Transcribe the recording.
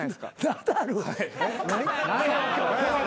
ナダル。